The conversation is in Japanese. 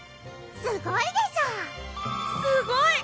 すごいでしょすごい！